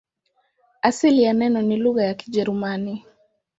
Asili ya neno ni lugha ya Kijerumani.